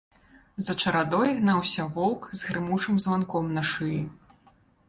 За чарадой гнаўся воўк з грымучым званком на шыі.